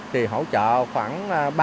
thì hỗ trợ khoảng ba mươi năm mươi